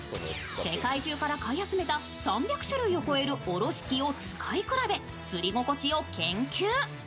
世界中から買い集めた３００種類を超えるおろし器を使いこなし比べて、すり心地を研究。